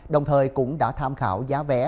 đồng thời cũng đã tham khảo giá vé